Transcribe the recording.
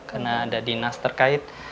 karena ada dinas terkait